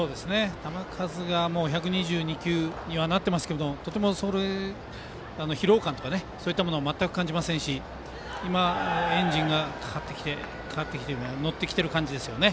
球数が１２２球にはなっていますが、疲労感とか全く感じませんしエンジンがかかってきて乗ってきている感じですね。